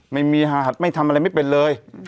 ไม่มีหาหัดไม่ทำอะไรไม่เป็นเลย